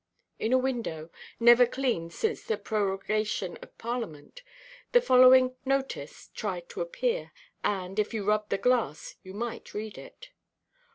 In a window, never cleaned since the prorogation of Parliament, the following "Notice" tried to appear; and, if you rubbed the glass, you might read it.